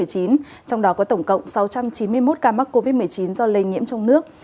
trong đó có tổng cộng sáu trăm chín mươi một ca mắc covid một mươi chín do lây nhiễm trong nước